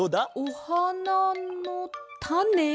おはなのたね？